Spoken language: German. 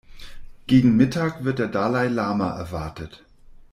Gegen Mittag wird der Dalai-Lama erwartet.